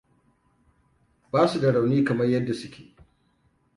Ba su da rauni kamar yadda suke.